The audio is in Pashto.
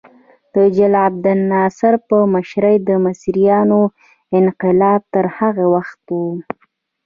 د جل عبدالناصر په مشرۍ د مصریانو انقلاب تر هغه وخته و.